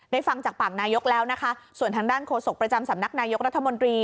ฟังจากปากนายกแล้วนะคะส่วนทางด้านโฆษกประจำสำนักนายกรัฐมนตรี